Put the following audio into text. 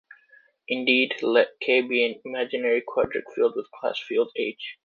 Indeed, let "K" be an imaginary quadratic field with class field "H".